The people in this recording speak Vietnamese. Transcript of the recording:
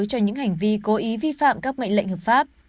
cho những hành vi cố ý vi phạm các mệnh lệnh hợp pháp